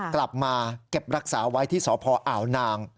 กลับมาเก็บรักษาไว้ที่สพอ่าวนาง